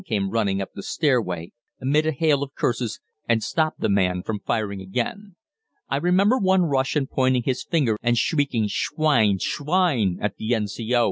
came running up the stairway, amid a hail of curses, and stopped the man from firing again. I remember one Russian pointing his finger and shrieking "Schwein!" "Schwein!" at the N.C.O.